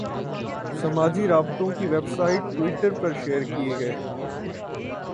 سماجی رابطوں کی ویب سائٹ ٹوئٹر پر شیئر کیے گئے